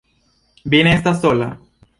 Vi ne estas sola!